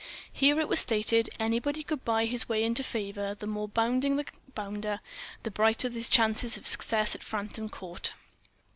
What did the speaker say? Here, it was stated, anybody could buy his way into favour: the more bounding the bounder the brighter his chances of success at Frampton Court.